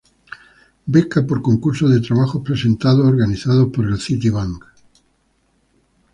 Beca por concurso de trabajos presentados organizado por Citibank.